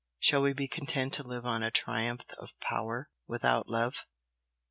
Shall we be content to live on a triumph of power, without love?"